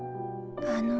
あの。